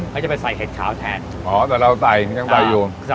เขาจะไปใส่เห็ดขาวแทนอ๋อแต่เราใส่มันยังใส่อยู่